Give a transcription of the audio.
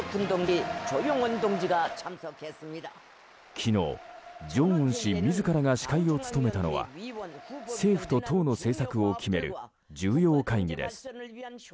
昨日、正恩氏自らが司会を務めたのは政府と党の政策を決める重要会議です。